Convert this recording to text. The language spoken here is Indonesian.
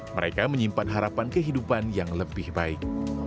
mereka menyimpan harapan kehidupan yang lebih baik